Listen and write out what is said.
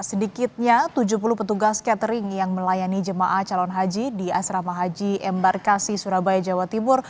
sedikitnya tujuh puluh petugas catering yang melayani jemaah calon haji di asrama haji embarkasi surabaya jawa timur